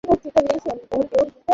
রাজ, তুমিও না, অনেক হাসি তামাশা করো।